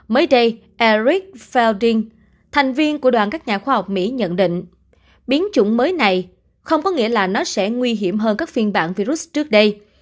mới đây aric fao riêng thành viên của đoàn các nhà khoa học mỹ nhận định biến chủng mới này không có nghĩa là nó sẽ nguy hiểm hơn các phiên bản virus trước đây